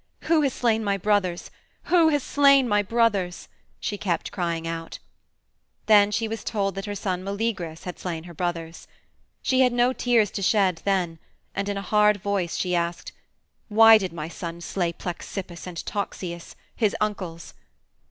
"Who has slain my brothers? Who has slain my brothers?" she kept crying out. Then she was told that her son Meleagrus had slain her brothers. She had no tears to shed then, and in a hard voice she asked, "Why did my son slay Plexippus and Toxeus, his uncles?"